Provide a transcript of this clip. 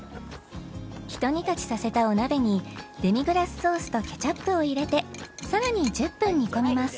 ［ひと煮立ちさせたお鍋にデミグラスソースとケチャップを入れてさらに１０分煮込みます］